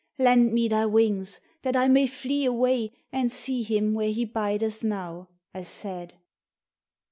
Lend me thy wings, that I may flee away And see him where he bideth now," I said.